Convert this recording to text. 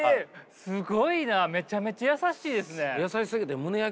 すごいなめちゃめちゃ優しいですね。